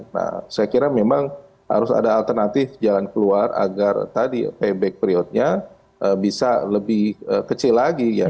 nah saya kira memang harus ada alternatif jalan keluar agar tadi payback periodnya bisa lebih kecil lagi ya